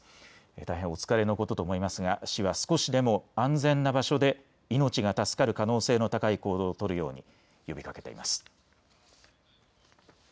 大変お疲れのことと思いますが市は少しでも安全な場所で命が助かる可能性の高い行動を取るように呼びかけています。